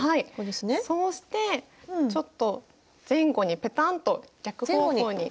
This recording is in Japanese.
そうしてちょっと前後にペタンと逆方向に。